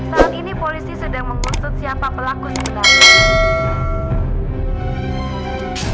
saat ini polisi sedang mengusut siapa pelaku sebenarnya